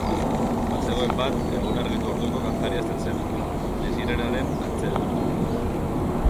Bazegoen bat, eguna argitu orduko kantari hasten zena, Nesirenaren antzera.